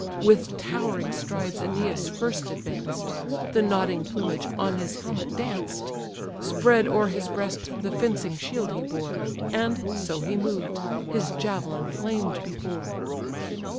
With towering strides Æneas first advanced; The nodding plumage on his helmet danced: Spread o'er his breast the fencing shield he bore, And, so he moved, his javelin flamed before.